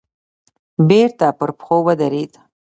بېرته پر پښو ودرېد.